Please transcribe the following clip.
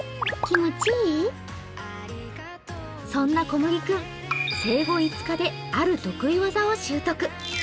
そんなこむぎ君生後５日である得意技を習得。